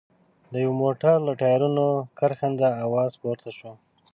د يوه موټر له ټايرونو کرښنده اواز پورته شو.